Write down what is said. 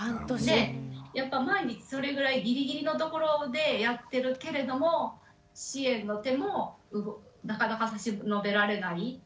でやっぱ毎日それぐらいギリギリのところでやってるけれども支援の手もなかなか差し伸べられない。